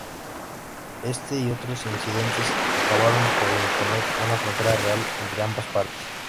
Este y otros incidentes acabaron por imponer una frontera real entre ambas partes.